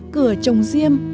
cửa trồng diêm